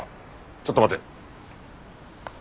ちょっと待て。